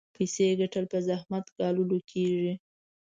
پيسې ګټل په زحمت ګاللو کېږي.